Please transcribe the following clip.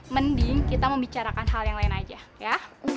mending kita membicarakan hal yang lain aja ya